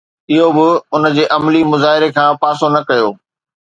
اهو به ان جي عملي مظاهري کان پاسو نه ڪيو